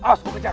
awas gue kejar